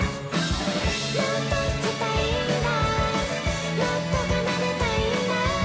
「もっと弾きたいんだもっと奏でたいんだ」